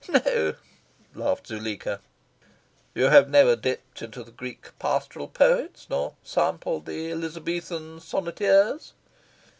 "No," laughed Zuleika. "You have never dipped into the Greek pastoral poets, nor sampled the Elizabethan sonneteers?"